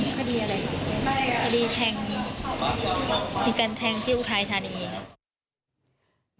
คดีแทงพิการแทงที่อุทายธานิยิง